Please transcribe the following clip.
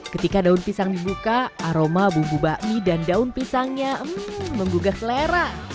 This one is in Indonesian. ketika daun pisang dibuka aroma bumbu bakmi dan daun pisangnya hmm menggugah selera